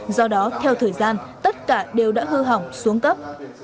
do đó theo thời gian tất cả đều đã hư hỏng xuống cấp